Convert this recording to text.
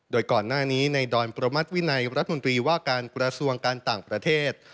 โดยก่อนหน้านี้ในดอนประมัติวินัยรัฐมนตรีว่าการกระทรวงการต่างประเทศ